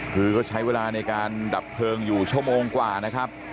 คือก็ใช้เวลาในการดับเพลิงอยู่ชั่วโมงกว่านะครับ